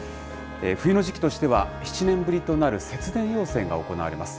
冬の時期としては７年ぶりとなる節電要請が行われます。